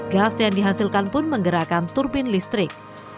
gas yang dihasilkan pun menggerakkan turbin listrik